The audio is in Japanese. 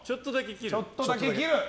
ちょっとだけ切ると。